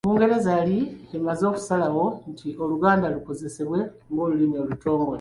Bungereza yali emaze okusalawo nti Oluganda lukozesebwe ng'olulimi olutongole.